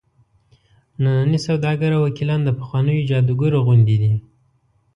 ننني سوداګر او وکیلان د پخوانیو جادوګرو غوندې دي.